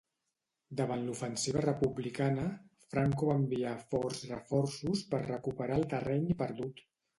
Davant l'ofensiva republicana, Franco va enviar forts reforços per recuperar el terreny perdut.